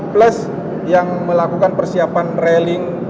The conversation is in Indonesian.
plus yang melakukan persiapan railing